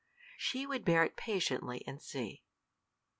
She would bear it patiently, and see.